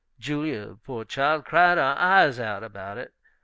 Julia, poor child, cried her eyes out about it.